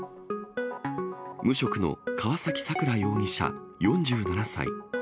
無職の川崎さくら容疑者４７歳。